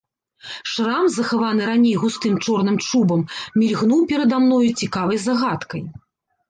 Шрам, захаваны раней густым чорным чубам, мільгнуў перада мною цікавай загадкай.